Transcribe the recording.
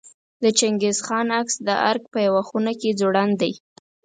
د چنګیز خان عکس د ارګ په یوه خونه کې ځوړند دی.